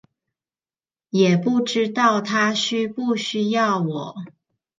也不知道他需不需要我